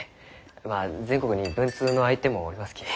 まあ全国に文通の相手もおりますき。